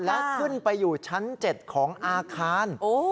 และขึ้นไปอยู่ชั้น๗ของอาคาร